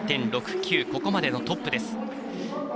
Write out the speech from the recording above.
ここまでのトップです。